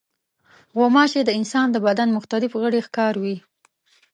غوماشې د انسان د بدن مختلف غړي ښکاروي.